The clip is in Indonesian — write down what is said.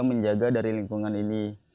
menjaga dari lingkungan ini